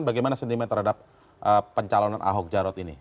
bagaimana sentimen terhadap pencalonan ahok jarot ini